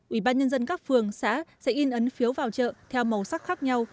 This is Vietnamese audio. ủy ban nhân dân các phường xã sẽ in ấn phiếu vào chợ theo màu sắc khác nhau